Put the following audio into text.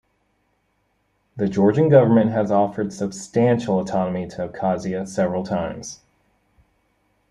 The Georgian government has offered substantial autonomy to Abkhazia several times.